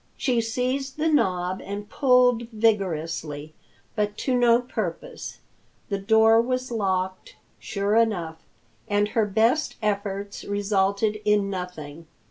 She seized the knob and pulled vigorously, but to no purpose. The door was locked sure enough, and her best efforts resulted in nothing.